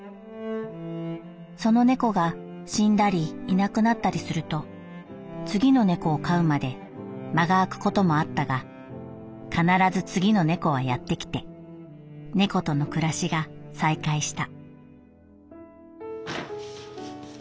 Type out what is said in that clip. その猫が死んだりいなくなったりすると次の猫を飼うまで間が空くこともあったが必ず次の猫はやってきて猫との暮らしが再開した」。